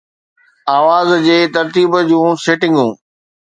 آواز جي ترتيب جي سيٽنگون